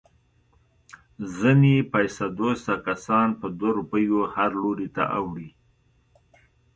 ځنې پیسه دوسته کسان په دوه روپیو هر لوري ته اوړي.